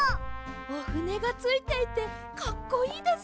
おふねがついていてかっこいいです。